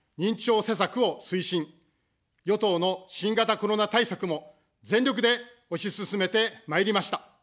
与党の新型コロナ対策も、全力で推し進めてまいりました。